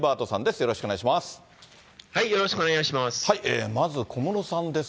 よろしくお願いします。